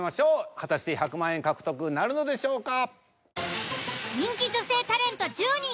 果たして１００万円獲得なるのでしょうか。